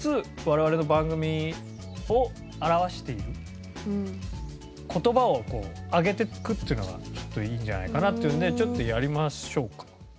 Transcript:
我々の番組を表している言葉を挙げてくっていうのがいいんじゃないかなっていうんでちょっとやりましょうか。